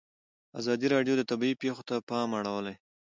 ازادي راډیو د طبیعي پېښې ته پام اړولی.